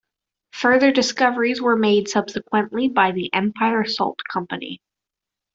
Further discoveries were made subsequently by the Empire Salt Company.